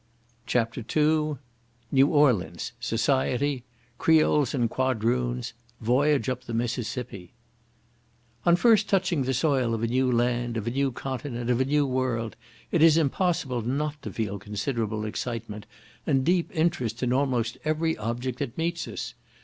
CHAPTER II New Orleans—Society—Creoles and Quadroons Voyage up the Mississippi On first touching the soil of a new land, of a new continent, of a new world, it is impossible not to feel considerable excitement and deep interest in almost every object that meets us.